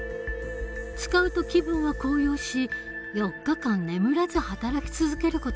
使うと気分は高揚し４日間眠らず働き続ける事もできた。